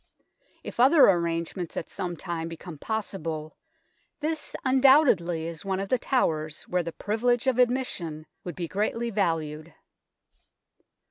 If other arrangements at some time become possible, this undoubtedly is one of the towers where the privilege of admission would be greatly valued.